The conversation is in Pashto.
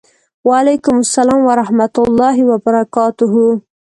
وعلیکم سلام ورحمة الله وبرکاته